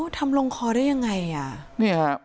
ทำลงคอได้ยังไงอ่ะ